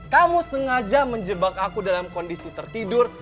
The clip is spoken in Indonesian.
kamu sengaja menjebak aku dalam kondisi tertidur